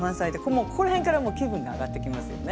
もうここらへんから気分が上がってきますよね。